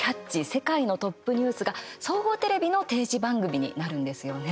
世界のトップニュース」が総合テレビの定時番組になるんですよね。